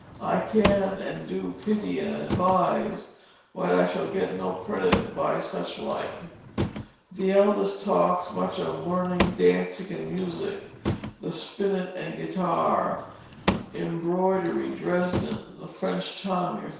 I can, and do, pity and advise, but I shall get no credit by such like. The eldest talks much of learning dancing, musick (the spinet and guitar) embroidery, dresden, the French tongue, &c.